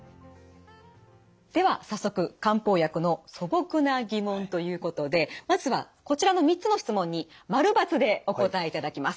では早速漢方薬の素朴な疑問ということでまずはこちらの３つの質問に○×でお答えいただきます。